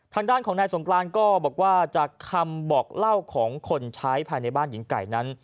ทางด้านของนายสงกรานก็บอกว่าจากคำบอกเล่าของคนใช้ภายในบ้านหญิงไก่นั้น